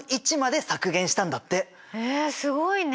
えすごいね！